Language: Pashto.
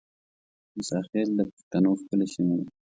موساخېل د بښتنو ښکلې سیمه ده